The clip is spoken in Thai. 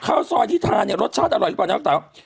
ข้าวซอยที่ทานรสชาติอร่อยหรือเปล่า